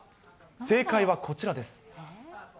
正解はこちらです。